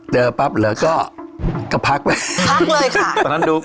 เจอปั๊บเลยก็พักมันพักเลยค่ะตอนนั้นดู